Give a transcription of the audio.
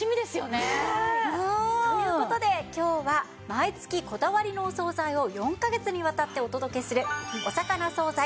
ねえ！という事で今日は毎月こだわりのお惣菜を４カ月にわたってお届けするおさかな惣菜